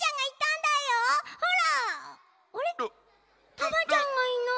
タマちゃんがいない。